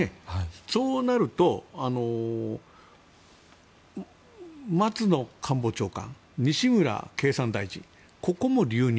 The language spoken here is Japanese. そうなると松野官房長官、西村経産大臣ここも留任。